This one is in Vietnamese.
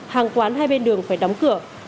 hàng quán hai bên đường phải đóng cửa